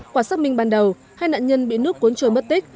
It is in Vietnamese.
quả xác minh ban đầu hai nạn nhân bị nước cuốn trôi mất tích